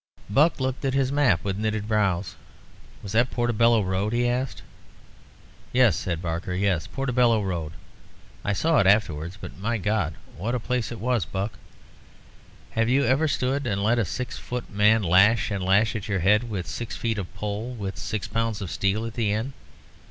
Buck looked at his map with knitted brows. "Was that Portobello Road?" he asked. "Yes," said Barker "yes; Portobello Road. I saw it afterwards; but, my God, what a place it was! Buck, have you ever stood and let a six foot of man lash and lash at your head with six feet of pole with six pounds of steel at the end?